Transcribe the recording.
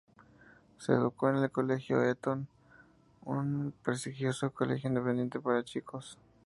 Se educó en el Colegio Eton, un prestigioso colegio independiente para chicos.